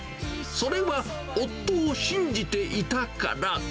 それは、夫を信じていたから。